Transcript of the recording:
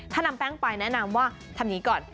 ถ้านำแป้งไปแนะนำว่าทำอย่างนี้ก่อน